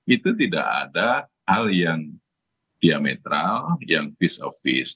itu tidak ada hal yang diametral yang piece of piece